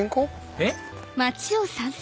えっ？